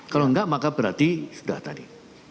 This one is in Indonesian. kalau enggak maka berarti sudah tadi